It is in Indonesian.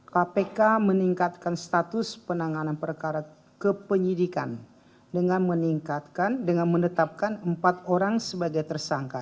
kpk meningkatkan status penanganan perkara kepenyidikan dengan meningkatkan dengan menetapkan empat orang sebagai tersangka